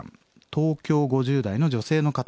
東京５０代の女性の方。